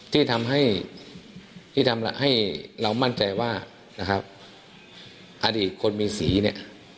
ที่ทำให้ที่ทำให้เรามั่นใจว่านะครับอดีตคนมีสีเนี่ย